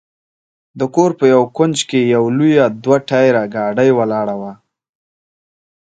د کور په یوه کونج کې یوه لویه دوه ټایره ګاډۍ ولاړه وه.